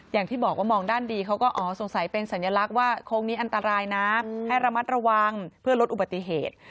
อย่างที่บอกว่ามองด้านดีเขาก็อ๋อสงสัยเป็นสัญลักษณ์ว่าโค้งนี้อันตรายนะให้ระมัดระวังเพื่อลดอุบัติเหตุ